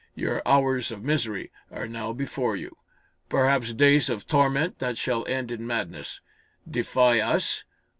Your hours of misery are now before you perhaps days of torment that shall end in madness. Defy us?